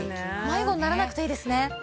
迷子にならなくていいですね。